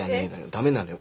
ダメなのよ